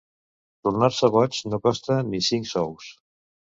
Tornar-se boig no costa ni cinc sous.